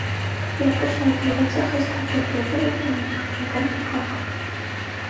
Երկը շարադրված է խիստ հակիրճ ոճով և ժամանակագր. կարգով։